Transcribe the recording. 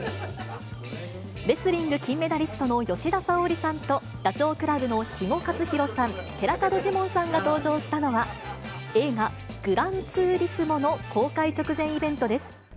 レスリング金メダリストの吉田沙保里さんと、ダチョウ倶楽部の肥後克広さん、寺門ジモンさんが登場したのは、映画、グランツーリスモの公開直前イベントです。